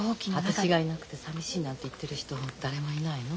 私がいなくてさみしいなんて言ってる人誰もいないの？